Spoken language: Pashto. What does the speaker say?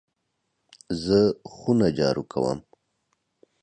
زه خونه جارو کوم .